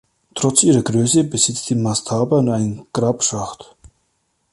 Trotz ihrer Größe besitzt die Mastaba nur einen Grabschacht.